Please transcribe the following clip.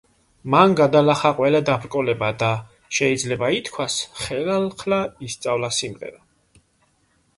მან გადალახა ყველა დაბრკოლება და, შეიძლება ითქვას, ხელახლა ისწავლა სიმღერა.